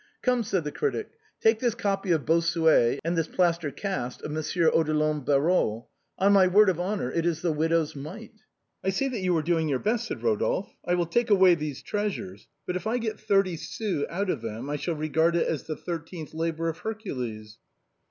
" Come," said the critic, " take this copy of Bossuet and this plaster cast of Monsieur Odilon Barrot. On my word of honor it is the widow's mite." "I see that you are doing your best," said Eodolphe. " I will take away these treasures, but if I get thirty sous out of them I shall regard it as the thirteenth labor of Hercules."